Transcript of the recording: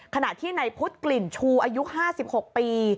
ขณะที่ในพุทธกลิ่นชูอายุ๕๖ปี